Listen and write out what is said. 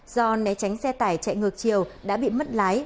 do né tránh xe tải chạy ngược chiều đã bị mất lái